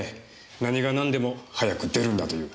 何がなんでも早く出るんだという。